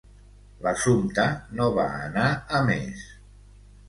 L'assumpte no va anar a més.